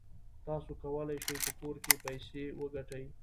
تاسو کولای شئ په کور کې پیسې وګټئ.